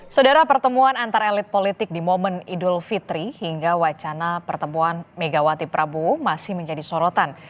saudara pertemuan antar elit politik di momen idul fitri hingga wacana pertemuan megawati prabowo masih menjadi sorotan